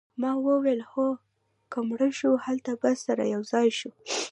ما وویل هو که مړه شوو هلته به سره یوځای شو